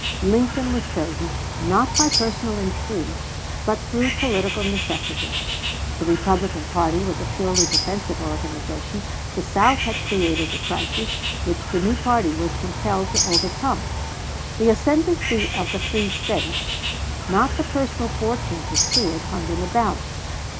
Lincoln was chosen not by personal intrigue, but through political necessity. The Republican party was a purely defensive organization; the South had created the crisis which the new party was compelled to overcome. The ascendency of the free States, not the personal fortunes of Seward, hung in the balance.